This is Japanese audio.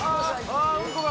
ああうんこが。